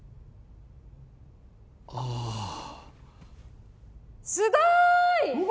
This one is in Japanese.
ああすごーい